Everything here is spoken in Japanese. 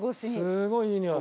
すごいいいにおい。